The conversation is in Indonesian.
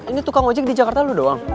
ini tukang ojek di jakarta lu doang